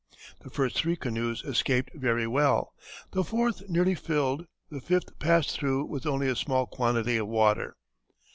The first three canoes escaped very well, the fourth nearly filled, the fifth passed through with only a small quantity of water.